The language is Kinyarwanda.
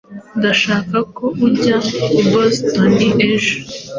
Ndashaka ko ujya i Boston ejo.